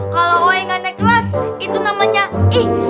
kalau woy gak naik kelas itu namanya ih